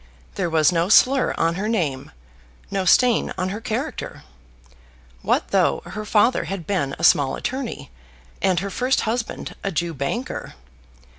There was no slur on her name; no stain on her character. What though her father had been a small attorney, and her first husband a Jew banker!